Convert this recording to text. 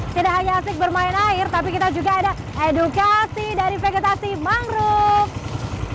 tidak hanya asik bermain air tapi kita juga ada edukasi dari vegetasi mangrove